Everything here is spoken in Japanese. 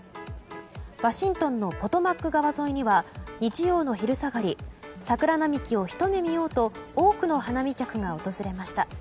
ワシントンのポトマック川沿いには日曜の昼下がり桜並木をひと目見ようと多くの花見客が訪れました。